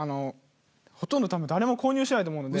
ほとんど多分誰も購入してないと思うので。